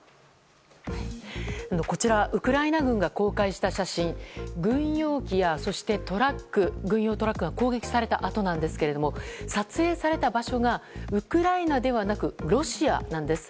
ウクライナ軍が公開した写真軍用機や軍用トラックが攻撃されたあとなんですが撮影された場所がウクライナではなくロシアなんです。